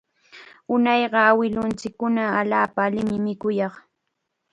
Unayqa awilunchikkuna allaapa allim mikuyaq